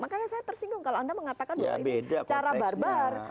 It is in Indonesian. makanya saya tersinggung kalau anda mengatakan bahwa ini cara bar bar